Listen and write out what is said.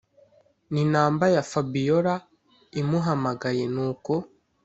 ni number ya fabiora imuhamagaye nuko